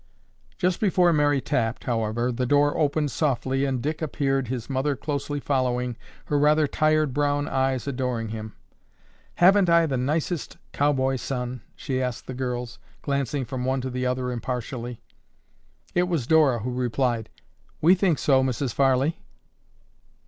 Just before Mary tapped, however, the door opened softly and Dick appeared, his mother closely following, her rather tired brown eyes adoring him. "Haven't I the nicest cowboy son?" she asked the girls, glancing from one to the other impartially. It was Dora who replied, "We think so, Mrs. Farley."